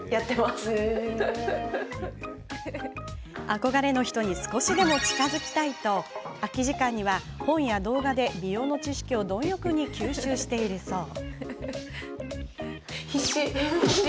憧れの人に少しでも近づきたいと空き時間には本や動画で美容の知識を貪欲に吸収しているそうです。